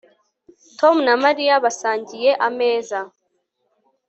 Tom na Mariya basangiye ameza